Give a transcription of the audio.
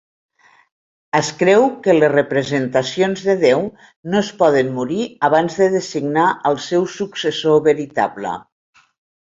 Es creu que les representacions de Déu no es poden morir abans de designar el seu successor veritable.